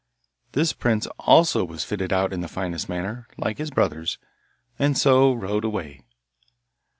This prince also was fitted out in the finest manner, like his brothers, and so rode away.